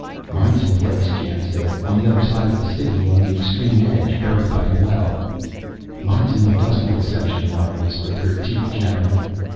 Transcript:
"Mine's in place," Jan said. "On the other side of the City, on the extreme edge. Buried by a well." "Mine's in the industrial section," Mara whispered, her teeth chattering.